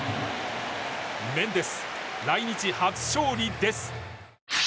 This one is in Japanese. メンデス、来日初勝利です！